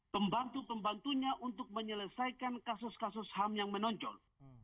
pembantu pembantunya untuk menyelesaikan kasus kasus ham yang menonjol